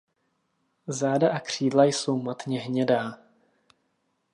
Záda a křídla jsou matně hnědá.